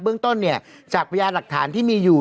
เรื่องต้นเนี่ยจากพยานหลักฐานที่มีอยู่